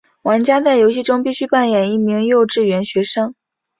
玩家在游戏中必须扮演一名幼稚园学生。